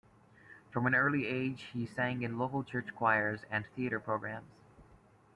From an early age she sang in local church choirs and theatre programs.